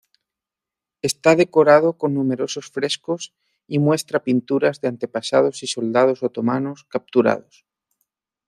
Está decorado con numerosos frescos y muestra pinturas de antepasados y soldados otomanos capturados.